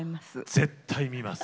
絶対見ます！